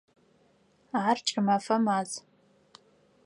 Ар кӏымэфэ маз.